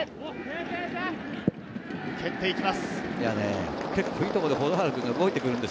蹴って行きます。